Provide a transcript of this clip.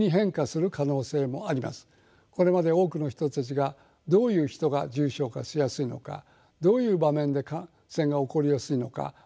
これまで多くの人たちがどういう人が重症化しやすいのかどういう場面で感染が起こりやすいのか学んできました。